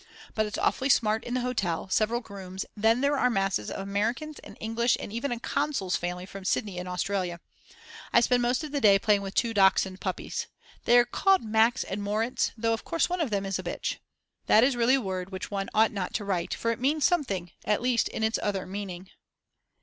But it's awfully smart in the hotel, several grooms; then there are masses of Americans and English and even a consul's family from Sydney in Australia. I spend most of the day playing with two dachshund puppies. They are called Max and Moritz, though of course one of them is a bitch. That is really a word which one ought not to write, for it means something, at least in its other meaning.